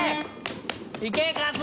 いけ春日！